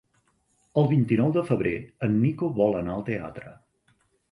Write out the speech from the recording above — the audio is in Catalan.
El vint-i-nou de febrer en Nico vol anar al teatre.